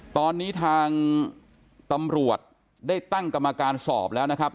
ตอนนี้ทางตำรวจได้ตั้งกรรมการสอบแล้วนะครับ